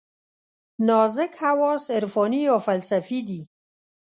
نازک حواس عرفاني یا فلسفي دي.